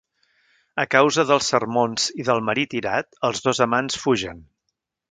A causa dels sermons i del marit irat, els dos amants fugen.